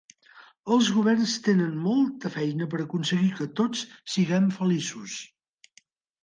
Els governs tenen molta feina per aconseguir que tots siguem feliços.